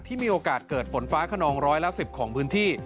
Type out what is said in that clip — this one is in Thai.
มีโอกาสเกิดฝนฟ้าขนองร้อยละ๑๐ของพื้นที่